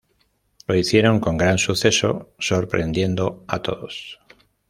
Lo hicieron con gran suceso, sorprendiendo a todos.